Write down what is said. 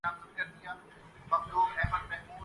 کہاں یہ خاک کے تودے تلے دبا ہوا جسم